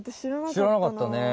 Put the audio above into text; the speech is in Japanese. しらなかったね。